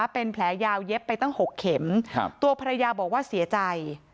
เป็นแผลยาวเย็บไปตั้ง๖เข็มตัวภรรยาบอกว่าเสียใจ